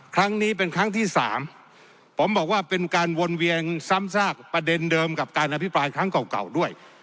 ครั้งนี้เป็นครั้งที่สามผมบอกว่าเป็นการวนเวียนซ้ำซากประเด็นเดิมกับการอภิปรายครั้งเก่าด้วย